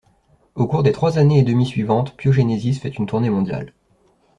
Au cours des trois années et demie suivantes, Pyogenesis fait une tournée mondiale.